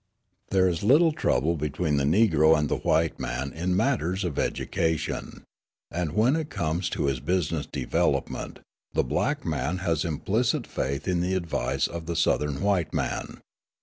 There is little trouble between the Negro and the white man in matters of education; and, when it comes to his business development, the black man has implicit faith in the advice of the Southern white man.